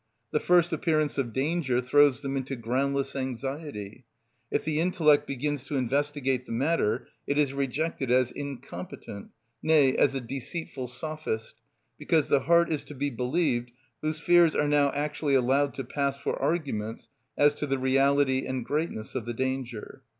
The first appearance of danger throws them into groundless anxiety. If the intellect begins to investigate the matter it is rejected as incompetent, nay, as a deceitful sophist, because the heart is to be believed, whose fears are now actually allowed to pass for arguments as to the reality and greatness of the danger.